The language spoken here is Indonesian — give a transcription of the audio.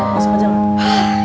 masuk aja lah